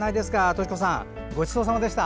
トシ子さん、ごちそうさまでした。